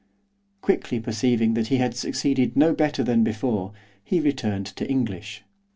Quickly perceiving that he had succeeded no better than before, he returned to English.